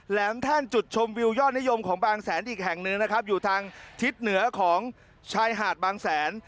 แหมแท่นจุดชมวิวยอดนิยมของบางแสนอีกแห่งหนึ่งนะครับอยู่ทางทิศเหนือของชายหาดบางแสน